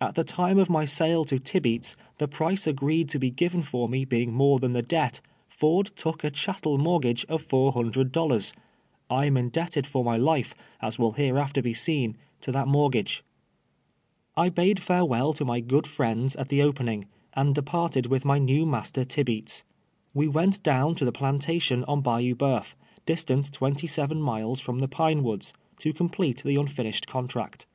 At the time of my sale to Tibeats, the price agreed to be given for me beini;; more than the debt, Ford took a cliattel moi tgafre of four hundred dollars. I am iiidel)ted f )r my life, as will hereai'ter be seen, to that mortixage. I bade tarewe'll to my ::;(>od friends at the opening, and departed with my neM' master Tibeats. AVe went down to the i>lantation on Bayou Boeuf, distant twenty seven miles from the Pine AVoods, to complete the nntinished contract.